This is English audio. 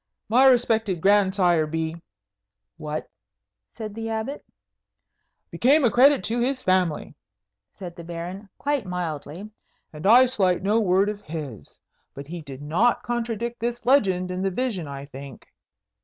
"My respected grandsire be " "What?" said the Abbot. "Became a credit to his family," said the Baron, quite mildly; "and I slight no word of his. But he did not contradict this legend in the vision, I think."